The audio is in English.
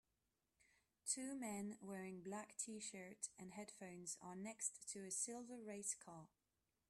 Two men wearing black tshirt and headphones are next to a silver race car.